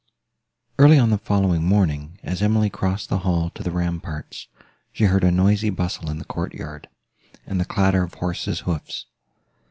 Early on the following morning, as Emily crossed the hall to the ramparts, she heard a noisy bustle in the courtyard, and the clatter of horses' hoofs.